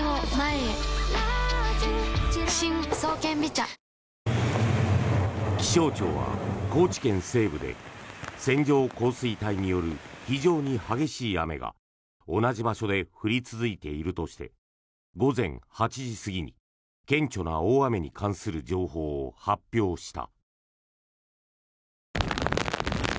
更に、先ほど関東・甲信でも今日の夜から気象庁は、高知県西部で線状降水帯による非常に激しい雨が同じ場所で降り続いているとして午前８時過ぎに顕著な大雨に関する情報を発表した。